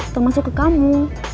termasuk ke kamu